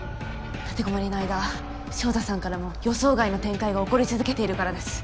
立てこもりの間潮田さんからも予想外の展開が起こり続けているからです。